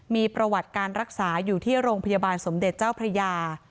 มีประวัติการรักษาอยู่ที่โรงพยาบาลสมเด็จเจ้าพระยา